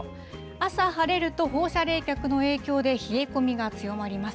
朝晴れると、放射冷却の影響で冷え込みが強まります。